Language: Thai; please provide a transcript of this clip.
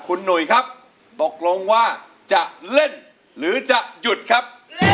คุณหนุ่ยครับตกลงว่าจะเล่นหรือจะหยุดครับ